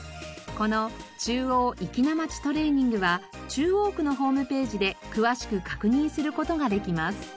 この中央粋なまちトレーニングは中央区のホームページで詳しく確認する事ができます。